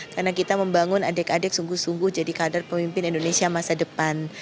karena kita membangun adik adik sungguh sungguh jadi kader pemimpin indonesia masa depan